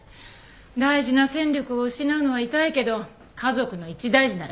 大事な戦力を失うのは痛いけど家族の一大事なら仕方ないわ。